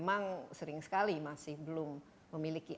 memang sering sekali masih belum memiliki